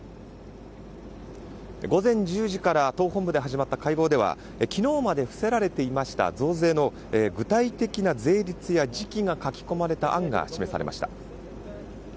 午前１０時から党本部で始まった会合では昨日まで伏せられていました増税の具体的な税率や時期が書き込まれた案が示されました。